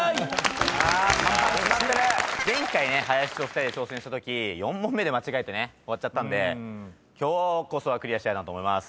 前回ね林と２人で挑戦したとき４問目で間違えてね終わっちゃったんで今日こそはクリアしたいなと思います。